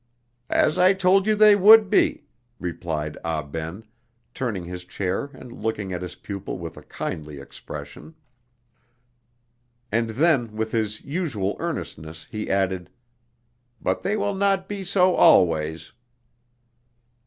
"As I told you they would be," replied Ah Ben, turning his chair and looking at his pupil with a kindly expression; and then, with his usual earnestness, he added: "But they will not be so always."